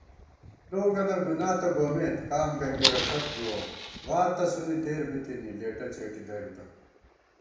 لوگَنہ گُنا تہ گومېت قم گنگېرہ ݭت بُوَہ * وار تسُونی تېر بِتِنی لېٹہ څېٹی دَرِتہ